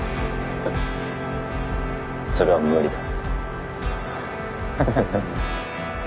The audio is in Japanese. フッそれは無理だ。